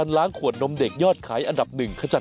สวัสดีค่ะ